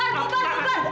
pokoknya bubar bubar bubar